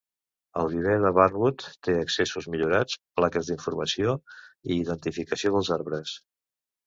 El viver de Barnwood té accessos millorats, plaques d"informació i identificacions dels arbres.